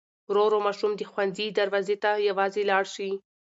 ورو ورو ماشوم د ښوونځي دروازې ته یوازې لاړ شي.